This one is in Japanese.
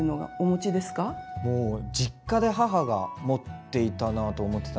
もう実家で母が持っていたなと思ってたんですけど